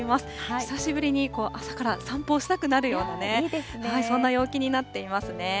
久しぶりに朝から散歩をしたくなるようなね、そんな陽気になっていますね。